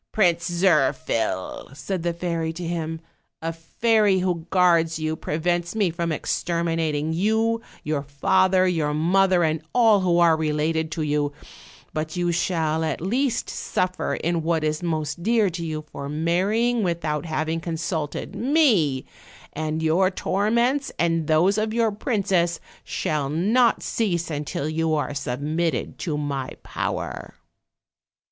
"Prince Zirphil," said the fairy to him, "a fairy who guards you prevents me from exterminating you, your father, your mother, and all who are related to you; but you shall at least suf fer in what is most dear to you for marrying without having consulted me, and your torments, and those of your princess, shall not cease until you are submitted to my power."